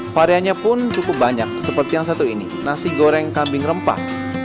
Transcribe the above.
variannya pun cukup banyak seperti yang satu ini nasi goreng kambing rempah